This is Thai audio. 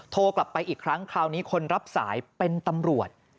โทรกลับไปอีกครั้งคราวนี้คนรับสายเป็นตำรวจ